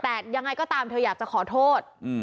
แต่ยังไงก็ตามเธออยากจะขอโทษ